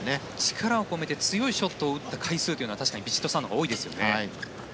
力を込めて強いショットを打った回数は確かにヴィチットサーンのほうが多いですよね。